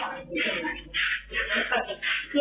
รอบมาดูแลให้จ้า